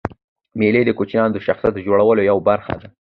مېلې د کوچنيانو د شخصیت د جوړولو یوه برخه ده.